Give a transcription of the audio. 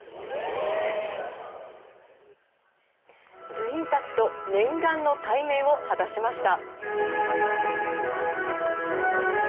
部員たちと、念願の対面を果たしました。